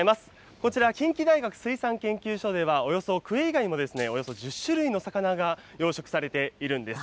こちら、近畿大学水産研究所では、およそクエ以外にも、およそ１０種類の魚が養殖されているんです。